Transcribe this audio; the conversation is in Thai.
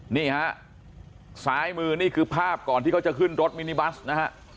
นี่ฮะซ้ายมือนี่คือภาพก่อนที่เขาจะขึ้นรถมินิบัสนะฮะ